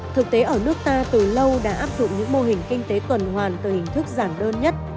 thực tế ở nước ta từ lâu đã áp dụng những mô hình kinh tế tuần hoàn từ hình thức giảng đơn nhất